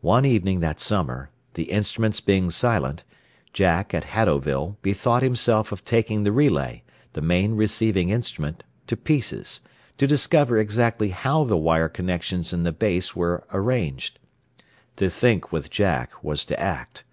One evening that summer, the instruments being silent, Jack, at Haddowville, bethought himself of taking the relay, the main receiving instrument, to pieces, to discover exactly how the wire connections in the base were arranged. To think with Jack was to act.